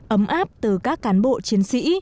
ấm áp từ các cán bộ chiến sĩ